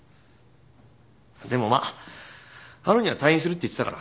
でもまあ春には退院するって言ってたから。